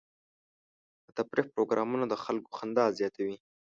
د تفریح پروګرامونه د خلکو خندا زیاتوي.